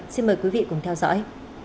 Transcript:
xin mời quý vị cùng theo dõi